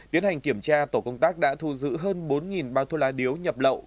tiến hành kiểm tra tổ công tác đã thu giữ hơn bốn bao thuốc lá điếu nhập lậu